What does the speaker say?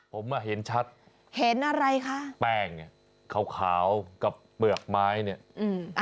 ผมอะเห็นชัดแป้งเนี่ยขาวกับเปลือกไม้เนี่ยคุณค่ะ